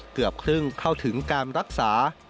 เกือบครึ่งเข้าถึงการรักษา